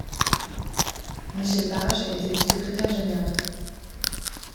Michel Parache est élu secrétaire général.